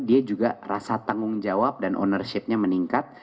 dia juga rasa tanggung jawab dan ownership nya meningkat